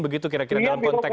begitu kira kira dalam konteks